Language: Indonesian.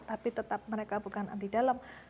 tapi tetap mereka bukan abdi dalam